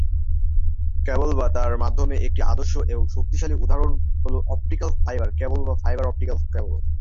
Cable বা তার মাধ্যমের একটি আদর্শ এবং শক্তিশালী উদাহরণ হলো অপটিক্যাল ফাইবার কেবল বা ফাইবার অপটিক ক্যাবল।